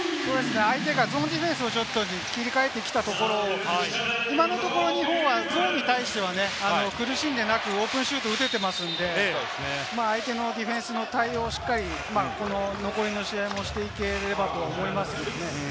相手がゾーンディフェンスに切り替えてきたところを今のところ日本はゾーンに対してはね、苦しんでなくオープンシュートを打てていますので、相手のディフェンスの対応をしっかりこの残りの試合もしていければと思いますね。